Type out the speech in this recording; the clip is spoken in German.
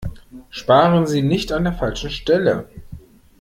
Sparen Sie nicht an der falschen Stelle!